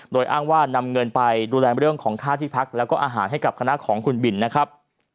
โดยอ้างว่านำเงินไปดูแลเรื่องของค่าที่พักแล้วก็อาหารให้กับคณะของคุณบินนะครับ